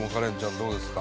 どうですか？